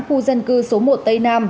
khu dân cư số một tây nam